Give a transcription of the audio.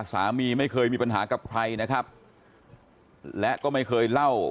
สามีไม่เคยมีปัญหากับใครนะครับและก็ไม่เคยเล่า